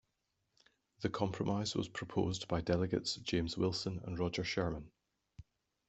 The compromise was proposed by delegates James Wilson and Roger Sherman.